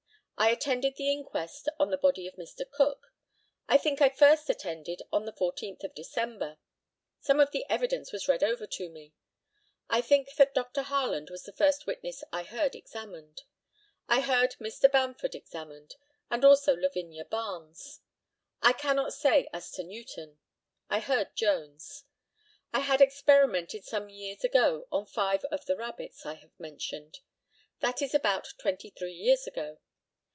I attended the inquest on the body of Mr. Cook. I think I first attended on the 14th of December. Some of the evidence was read over to me. I think that Dr. Harland was the first witness I heard examined. I heard Mr. Bamford examined, and also Lavinia Barnes. I cannot say as to Newton. I heard Jones. I had experimented some years ago on five of the rabbits I have mentioned; that is about twenty three years ago.